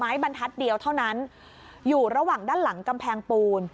บรรทัศน์เดียวเท่านั้นอยู่ระหว่างด้านหลังกำแพงปูน